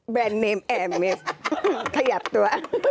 เสียบตัว